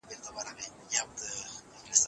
زما دا زړه ناځوانه